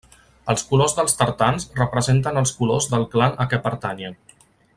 Els colors dels tartans representen els colors del clan a què pertanyen.